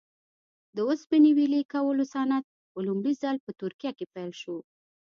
د اوسپنې ویلې کولو صنعت په لومړي ځل په ترکیه کې پیل شو.